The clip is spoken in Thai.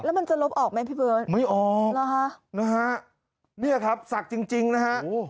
แล้วมันจะลบออกไหมพี่เบิร์นหรอฮะไม่ออกนี่ครับศักดิ์จริงนะฮะ